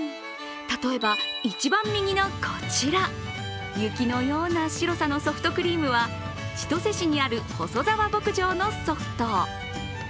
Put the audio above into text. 例えば一番右のこちら、雪のような白さのソフトクリームは千歳市にある細澤牧場のソフト。